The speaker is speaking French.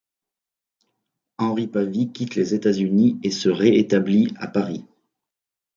Henry Pavie quitte les États-Unis et se ré-établît à Paris.